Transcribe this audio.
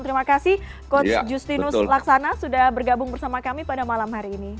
terima kasih coach justinus laksana sudah bergabung bersama kami pada malam hari ini